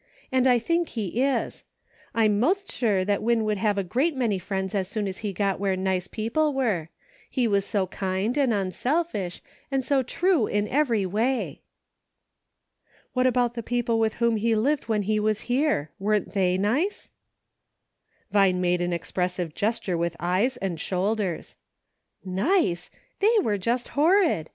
And I think he is. I'm most sure Win would" have a great many friends as soon as he got where nice people were ; he was so kind and unselfish, and so true in every way." " What about the people with whom he lived when he was here — weren't they nice }" Vine made an expressive gesture with eyes and shoulders. " Nice ! They were just horrid !